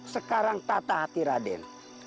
sekarang tata hati raden